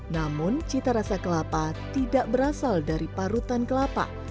namun cita rasa kelapa tidak berasal dari parutan kelapa